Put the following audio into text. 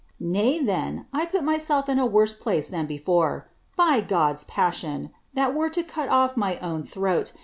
Kay, then, 1 p mvself in a worse place than before. By God's passion! that were cut my own throat!